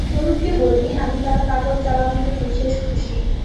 স্বরূপকে বলবি, আমি তার কাগজ চালানোতে বিশেষ খুশী।